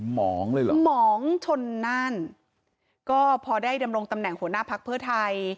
หมองเลยเหรอหมองชนนั่นก็พอได้ดำรงตำแหน่งหัวหน้าพักเพื่อไทย